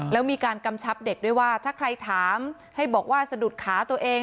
แล้วมีการกำชับเด็กด้วยว่าถ้าใครถามให้บอกว่าสะดุดขาตัวเอง